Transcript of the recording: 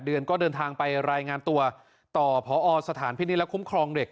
เดือนก็เดินทางไปรายงานตัวต่อพอสถานพินิษฐและคุ้มครองเด็ก